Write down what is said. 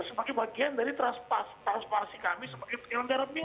sebagai bagian dari transparansi kami sebagai pengilang darab ini